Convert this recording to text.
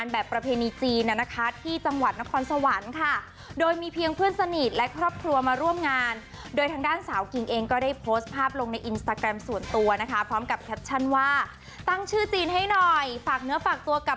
ประเพณีจีนน่ะนะคะที่จังหวัดนครสวรรค์ค่ะโดยมีเพียงเพื่อนสนิทและครอบครัวมาร่วมงานโดยทางด้านสาวกิงเองก็ได้โพสต์ภาพลงในอินสตาแกรมส่วนตัวนะคะพร้อมกับแคปชั่นว่าตั้งชื่อจีนให้หน่อยฝากเนื้อฝากตัวกับ